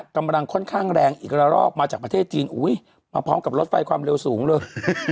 กำลังค่อนข้างแรงอีกละรอกมาจากประเทศจีนอุ้ยมาพร้อมกับรถไฟความเร็วสูงเลย